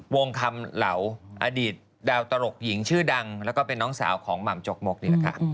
วงคำเหลาอดีตดาวตลกหญิงชื่อดังแล้วก็เป็นน้องสาวของหม่ำจกมกนี่แหละค่ะ